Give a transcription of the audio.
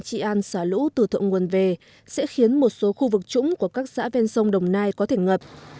trị an xả lũ từ thượng nguồn về sẽ khiến một số khu vực trũng của các xã ven sông đồng nai có thể ngập